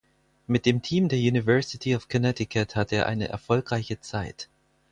Mit dem Team der University of Connecticut hatte er eine erfolgreiche Zeit.